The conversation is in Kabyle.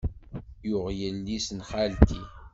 Yuɣ yelli-s n xalti.